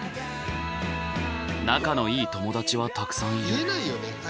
仲のいい友達はたくさんいる。